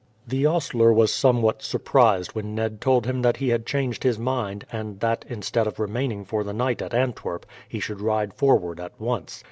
The ostler was somewhat surprised when Ned told him that he had changed his mind, and that, instead of remaining for the night at Antwerp, he should ride forward at once.